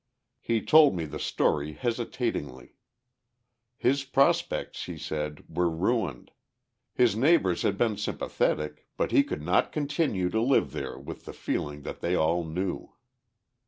He told me the story hesitatingly. His prospects, he said, were ruined: his neighbours had been sympathetic but he could not continue to live there with the feeling that they all knew.